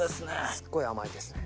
すっごい甘いですね。